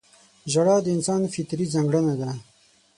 • ژړا د انسان فطري ځانګړنه ده.